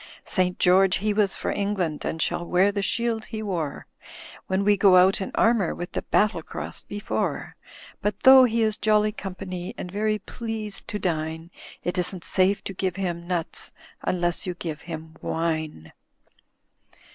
"St. George he was for England, And shall wear the shield he wore When we go out in armour. With the battle cross before; But though he is jolly company And very pleased to dine. It isn't safe to give him nuts Unless you give him wine.